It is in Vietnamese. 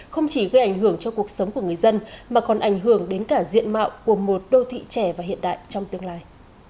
không chỉ gây ảnh hưởng cho cuộc sống của người dân mà còn ảnh hưởng đến cả diện mạo của một đô thị trẻ và hiện đại trong tương lai